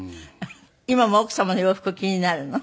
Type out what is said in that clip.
今も奥様の洋服気になるの？